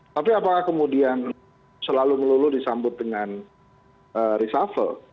tapi apakah kemudian selalu melulu disambut dengan reshuffle